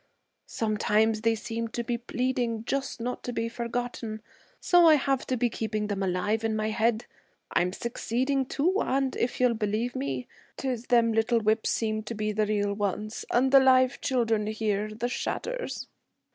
Sometimes they seem to be pleading just not to be forgotten, so I have to be keeping them alive in my head. I'm succeeding, too, and, if you'll believe me, 'tis them little whips seem to be the real ones, and the live children here the shadders.'